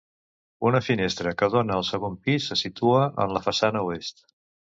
Una finestra que dona al segon pis se situa en la façana oest.